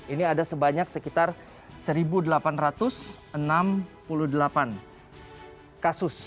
ini ada sebanyak sekitar satu delapan ratus enam puluh delapan kasus